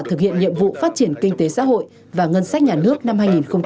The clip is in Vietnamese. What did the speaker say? thực hiện nhiệm vụ phát triển kinh tế xã hội và ngân sách nhà nước năm hai nghìn hai mươi